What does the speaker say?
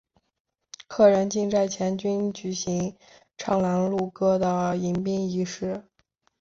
客人进寨前均举行唱拦路歌的迎宾仪式。